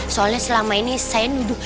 soalnya selama ini saya duduk